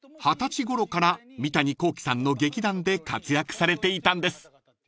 二十歳ごろから三谷幸喜さんの劇団で活躍されていたんです］